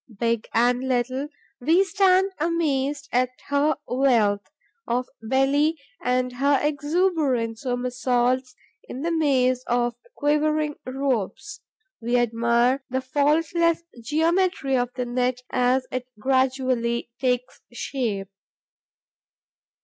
Big and little, we stand amazed at her wealth of belly and her exuberant somersaults in the maze of quivering ropes; we admire the faultless geometry of the net as it gradually takes shape.